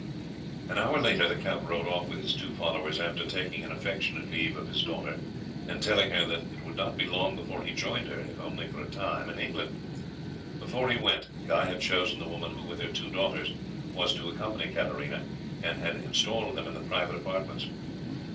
An hour later the count rode off with his two followers, after taking an affectionate leave of his daughter, and telling her that it would not be long before he joined her if only for a time in England. Before he went Guy had chosen the woman who, with her two daughters, was to accompany Katarina, and had installed them in the private apartments.